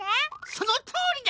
そのとおりだ。